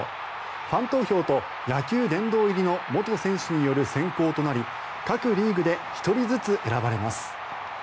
ファン投票と野球殿堂入りの元選手による選考となり各リーグで１人ずつ選ばれます。